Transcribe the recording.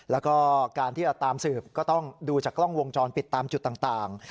แล้วก็การที่จะตามสืบก็ต้องดูจากกล้องวงจรปิดตามจุดต่าง